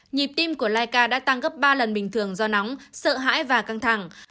nhịp tim của laika đã tăng gấp ba lần bình thường do nóng sợ hãi và căng thẳng